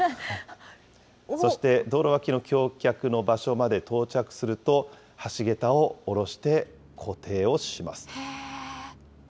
そして、道路わきの橋脚の場所まで到着すると、橋桁をおろして固定をします。